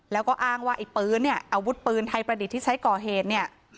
แล้วก็อ้างว่าไอ้ปืนเนี่ยอาวุธปืนไทยประดิษฐ์ที่ใช้ก่อเหตุเนี่ย